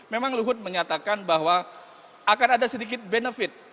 memang luhut menyatakan bahwa akan ada sedikit benefit